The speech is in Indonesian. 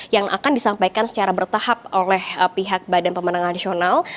yang akan disampaikan secara bertahap oleh pihak badan pemenang nasional